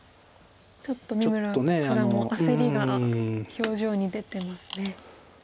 ちょっと三村九段も焦りが表情に出てますね。